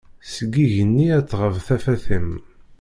Seg igenni ad tɣab tafat-im.